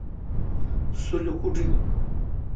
سو لوکوٹ این۔